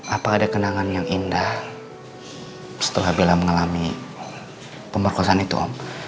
apa ada kenangan yang indah setelah bila mengalami pemerkosaan itu om